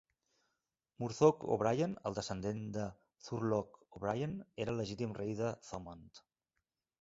Murtough O'Brien, el descendent de Thurlough O'Brien era el legítim rei de Thomond.